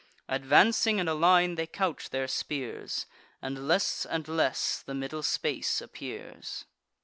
Advancing in a line, they couch their spears; And less and less the middle space appears.